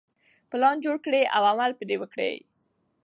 پلان جوړ کړئ او عمل پرې وکړئ.